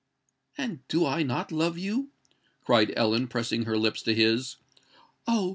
"And do I not love you?" cried Ellen, pressing her lips to his. "Oh!